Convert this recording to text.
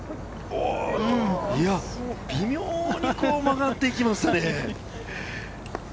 微妙に曲がっていきますよね。